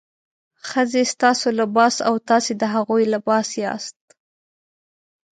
ښځې ستاسو لباس او تاسې د هغوی لباس یاست.